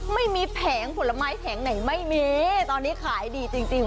ไม่มีแผงผลไม้แผงไหนไม่มีตอนนี้ขายดีจริงจริง